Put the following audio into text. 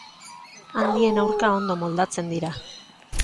Handien aurka ondo moldatzen dira.